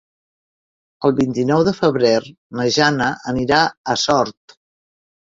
El vint-i-nou de febrer na Jana anirà a Sort.